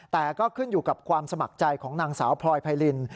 แต่ก็ขึ้นอยู่กับความสมัครใจของนางสาวพลอยไพริน